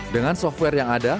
dengan software yang ada